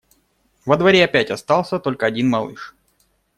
Во дворе опять остался только один малыш.